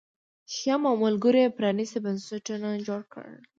شیام او ملګرو یې پرانیستي بنسټونه جوړ نه کړل